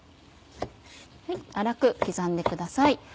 粗く刻んでください。